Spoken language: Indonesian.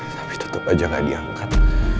tapi tetep aja gak diangkat